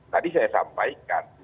tadi saya sampaikan